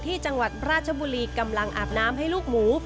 ที่จังหวัดราชบุรีกำลังอาบน้ำให้ลูกหมู